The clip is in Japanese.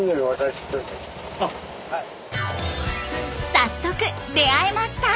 早速出会えました！